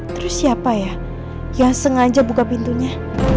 terus siapa ya yang sengaja buka pintunya